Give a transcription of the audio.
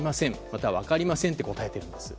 または分かりませんと答えています。